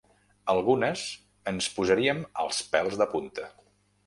Algunes ens posarien els pèls de punta.